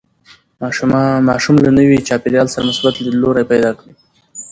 ماشوم له نوي چاپېریال سره مثبت لیدلوری پیدا کړي.